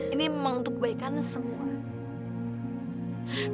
ini memang untuk kebaikan semua